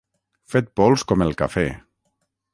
Fet pols com el cafè.